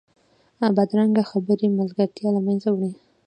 بدرنګه خبرې ملګرتیا له منځه وړي